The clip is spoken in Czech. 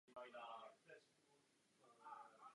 Matka se znovu vdala.